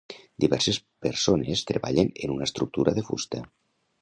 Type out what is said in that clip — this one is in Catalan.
Diverses persones treballen en una estructura de fusta.